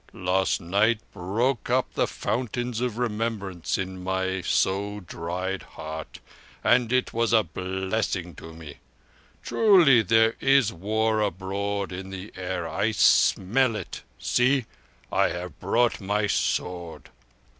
"Last night broke up the fountains of remembrance in my so dried heart, and it was as a blessing to me. Truly there is war abroad in the air. I smell it. See! I have brought my sword."